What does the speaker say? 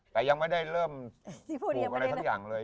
แต่ยังไม่ได้เริ่มปลูกอะไรสักอย่างเลย